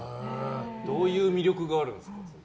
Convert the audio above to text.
どういう魅力があるんですか？